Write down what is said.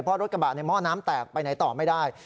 เพราะรถกระบะในหม้อน้ำแตกไปไหนต่อไม่ได้